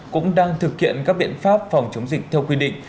cũng đang thực hiện các biện pháp phòng chống dịch theo quy định